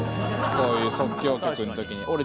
こういう即興曲の時に。